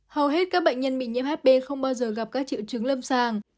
hầu hết các bệnh nhân bị nhiễm hb không bao giờ gặp các triệu chứng lâm sàng